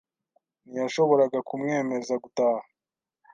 Ntiyashoboraga kumwemeza gutaha.